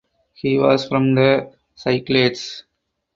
He was from the Cyclades.